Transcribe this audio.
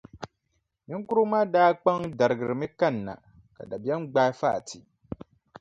Niŋkurugu maa daa kpaŋ darigirimi kanna, ka dabiɛm gbaai Fati.